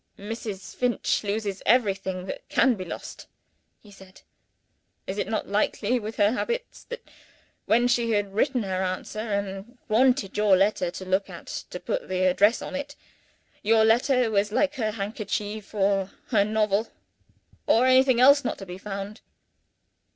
"Mrs. Finch loses everything that can be lost," he said. "Is it not likely with her habits that when she had written her answer, and wanted your letter to look at to put the address on it, your letter was like her handkerchief or her novel, or anything else not to be found?"